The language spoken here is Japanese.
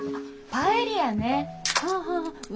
パエリアね。